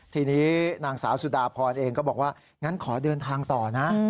ทีนี้นางสาวสุดาพรเองก็บอกว่างั้นขอเดินทางต่อนะ